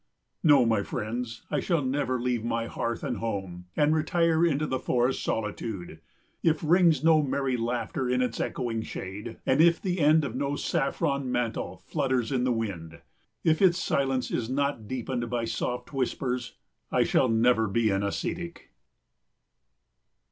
No, my friends, I shall never leave my hearth and home, and retire into the forest solitude, if rings no merry laughter in its echoing shade and if the end of no saffron mantle flutters in the wind; if its silence is not deepened by soft whispers. I shall never be an ascetic.